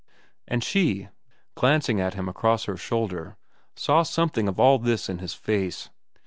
And she, glancing at him across her shoulder, saw something of all this in his face.